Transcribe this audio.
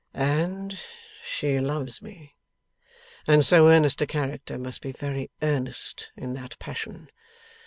'And she loves me. And so earnest a character must be very earnest in that passion.